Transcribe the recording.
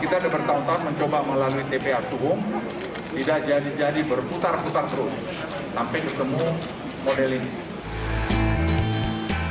kita sudah bertahun tahun mencoba melalui tpa tunggu tidak jadi jadi berputar putar terus sampai ketemu model ini